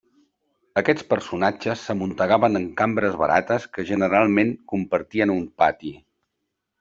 Aquests personatges s'amuntegaven en cambres barates que generalment compartien un pati.